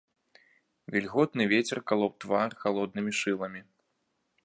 Вільготны вецер калоў твар халоднымі шыламі.